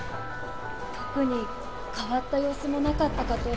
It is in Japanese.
特に変わった様子もなかったかと。